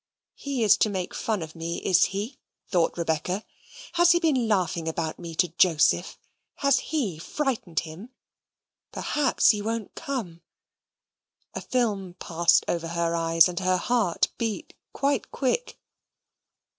"He is to make fun of me, is he?" thought Rebecca. "Has he been laughing about me to Joseph? Has he frightened him? Perhaps he won't come." A film passed over her eyes, and her heart beat quite quick.